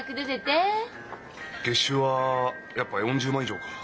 月収はやっぱ４０万以上か。